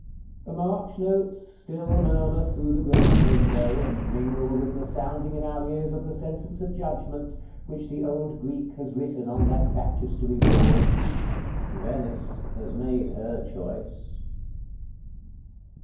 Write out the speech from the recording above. The march notes still murmur through the grated window, and mingle with the sounding in our ears of the sentence of judgment, which the old Greek has written on that Baptistery wall. Venice has made her choice.